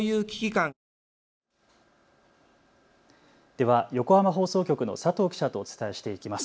では横浜放送局の佐藤記者とお伝えしていきます。